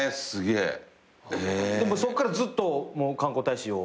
そっからずっと観光大使を？